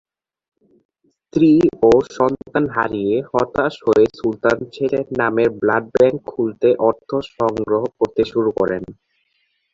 স্ত্রী ও সন্তান হারিয়ে হতাশ হয়ে সুলতান ছেলের নামের ব্লাড ব্যাংক খুলতে অর্থ সংগ্রহ করতে শুরু করেন।